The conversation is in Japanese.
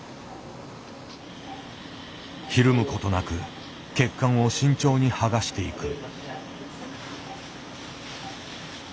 ひるむことなく血管を慎重にはがしていく。